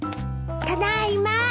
ただいま。